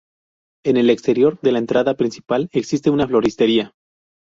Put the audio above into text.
En el exterior, en la entrada principal, existe una floristería.